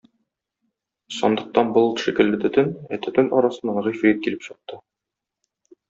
Сандыктан болыт шикелле төтен, ә төтен арасыннан Гыйфрит килеп чыкты.